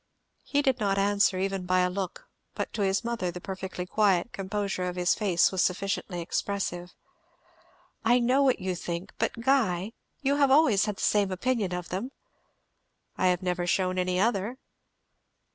He did not answer, even by a look, but to his mother the perfectly quiet composure of his face was sufficiently expressive. "I know what you think, but Guy, you always had the same opinion of them?" "I have never shewn any other."